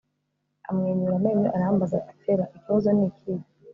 amwenyura amenyo, arambaza ati fella, ikibazo ni ikihe